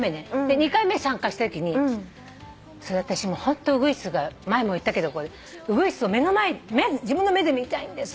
２回目参加したときに私ホントウグイスが前も言ったけどウグイスを目の前自分の目で見たいんです。